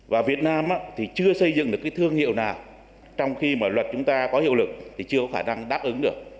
và việt nam thì chưa xây dựng được cái thương hiệu nào trong khi mà luật chúng ta có hiệu lực thì chưa có khả năng đáp ứng được